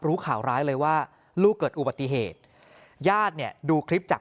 รู้ข่าวร้ายเลยว่าลูกเกิดอุบัติเหตุญาติเนี่ยดูคลิปจาก